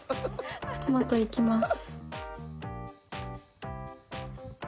トマトいきます